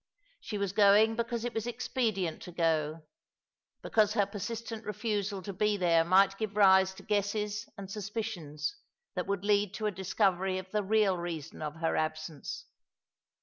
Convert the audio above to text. She was going because it was expedient to go ; because her persistent refusal to be there might give rise to guesses and suspicions that would lead to a discovery of the real reason of her absence.